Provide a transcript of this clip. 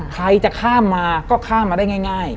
ใครจะข้ามมาก็ข้ามมาได้ง่าย